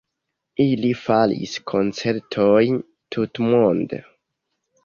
Ili faris koncertojn tutmonde.